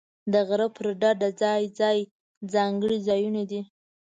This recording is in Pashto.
د غره پر ډډه ځای ځای ځانګړي ځایونه دي.